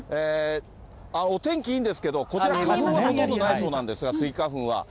お天気いいんですけど、こちら、花粉はほとんどないそうなんですが、スギ花粉は。